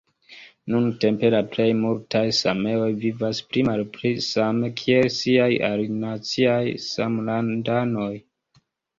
Nuntempe la plej multaj sameoj vivas pli-malpli same kiel siaj alinaciaj samlandanoj.